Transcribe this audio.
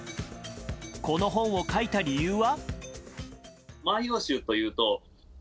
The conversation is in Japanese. この本を書いた理由は？